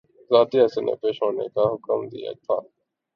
ذاتی حیثیت میں پیش ہونے کا حکم دیا تھا